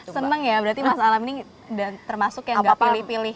seneng ya berarti mas alam ini termasuk yang gak pilih pilih